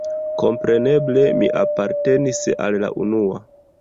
Kompreneble mi apartenis al la unua.